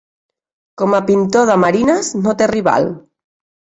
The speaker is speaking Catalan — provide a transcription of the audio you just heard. Com a pintor de marines no té rival.